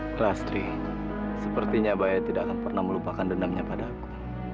klastri sepertinya abaya tidak akan pernah melupakan dendamnya padaku